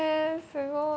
すごい。